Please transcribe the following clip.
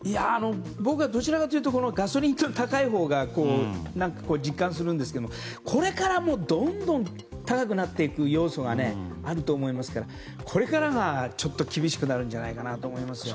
僕はどちらかというとガソリンが高いほうが実感するんですけどこれからどんどん高くなっていく要素があると思いますからこれからが、ちょっと厳しくなるんじゃないかなと思いますよ。